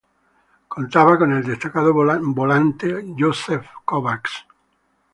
Contaba con el destacado volante József Kovács.